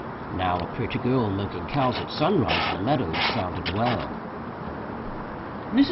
Now a pretty girl milking cows at sunrise in the meadows sounded well. Mrs.